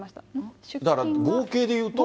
だから合計でいうと。